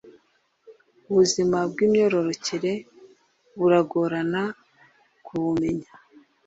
ubuzima bw’ imyororokere buragorana kubumenya.